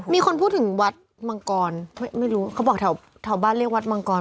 มีคนพูดถึงวัดมังกรไม่รู้เขาบอกแถวบ้านเรียกวัดมังกร